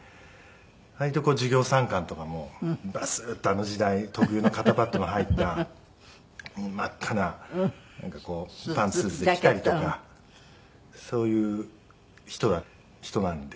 割と授業参観とかもバスッとあの時代特有の肩パットが入った真っ赤なパンツスーツで来たりとかそういう人なんで。